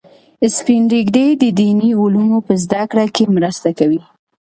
سپین ږیری د دیني علومو په زده کړه کې مرسته کوي